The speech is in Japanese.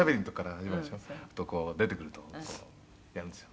「そうするとこう出てくるとやるんですよ」